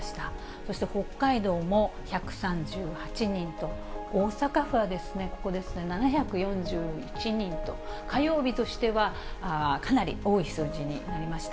そして北海道も１３８人と、大阪府はここですね、７４１人と、火曜日としてはかなり多い数字になりました。